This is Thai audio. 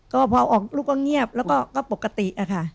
ก็พอออกลูกก็เงียบแล้วก็ปกติอะค่ะ